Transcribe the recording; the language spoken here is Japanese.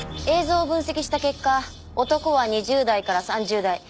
映像を分析した結果男は２０代から３０代。